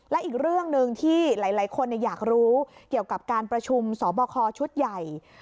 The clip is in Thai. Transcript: และอีกเรื่องหนึ่งที่หลายคนอยากรู้เกี่ยวกับการประชุมสบคชุดใหญ่